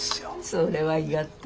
それは良がっだ。